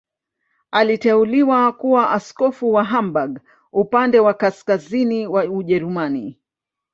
Aliteuliwa kuwa askofu wa Hamburg, upande wa kaskazini wa Ujerumani.